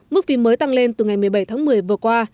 mức phí mới tăng lên từ ngày một mươi bảy tháng một mươi vừa qua